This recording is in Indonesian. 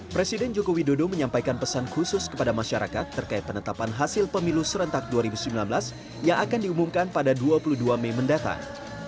presiden jokowi dodo menyampaikan pesan khusus kepada masyarakat terkait penetapan hasil pemilu serentak dua ribu sembilan belas yang akan diumumkan pada dua puluh dua mei mendatang